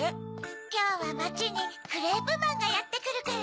きょうはまちにクレープマンがやってくるから。